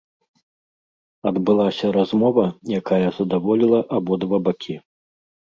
Адбылася размова, якая задаволіла абодва бакі.